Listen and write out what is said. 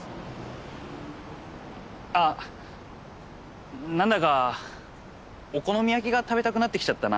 あっ何だかお好み焼きが食べたくなってきちゃったな。